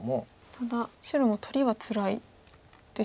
ただ白も取りはつらいですか。